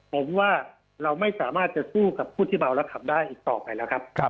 ผมว่าเราไม่สามารถจะสู้กับผู้ที่เมาแล้วขับได้อีกต่อไปแล้วครับ